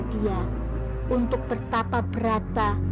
bersedia untuk bertapah berata